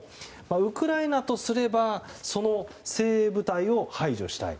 ウクライナとすればその精鋭部隊を排除したい。